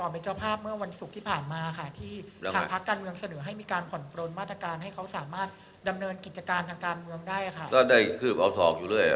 ไม่ต้องรายงานผมรู้ตอนเขาพูดล่ะ